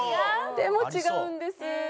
でも違うんです。